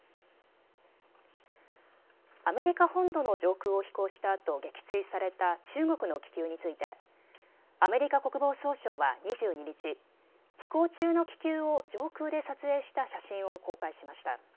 アメリカ本土の上空を飛行したあと撃墜された中国の気球についてアメリカ国防総省は２２日、飛行中の気球を上空で撮影した写真を公開しました。